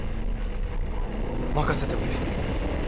任せておけ。